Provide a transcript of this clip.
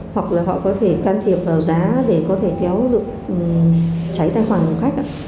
hoặc là họ có thể can thiệp vào giá để có thể kéo được cháy tài khoản của khách ạ